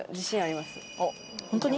ホントに？